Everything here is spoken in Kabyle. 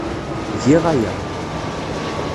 Giɣ aya.